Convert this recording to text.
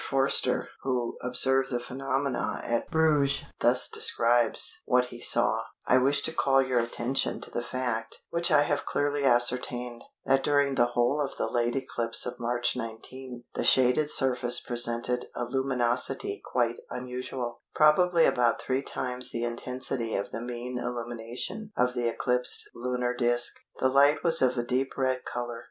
Forster who observed the phenomenon at Bruges thus describes what he saw:—"I wish to call your attention to the fact which I have clearly ascertained, that during the whole of the late eclipse of March 19 the shaded surface presented a luminosity quite unusual, probably about three times the intensity of the mean illumination of the eclipsed lunar disc. The light was of a deep red colour.